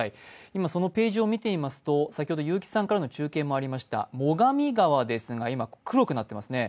今、そのページを見てみますと、先ほど結城さんからの中継もありました最上川ですが、今、黒くなっていますね。